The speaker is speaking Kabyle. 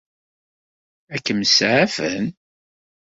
Ad kem-saɛfen?